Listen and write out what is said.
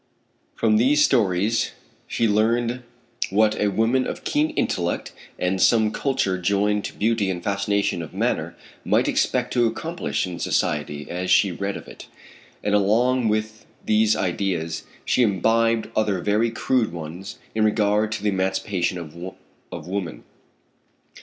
From these stories she learned what a woman of keen intellect and some culture joined to beauty and fascination of manner, might expect to accomplish in society as she read of it; and along with these ideas she imbibed other very crude ones in regard to the emancipation of woman.